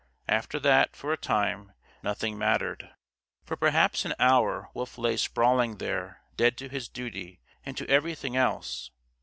After that, for a time, nothing mattered. For perhaps an hour Wolf lay sprawling there, dead to his duty, and to everything else.